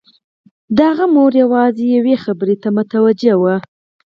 د هغه مور يوازې يوې خبرې ته متوجه وه.